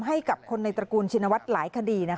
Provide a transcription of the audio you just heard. ให้กับคนในตระกูลชินวัฒน์หลายคดี